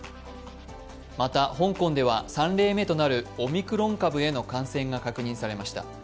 また香港では３例目となるオミクロン株への感染が確認されました。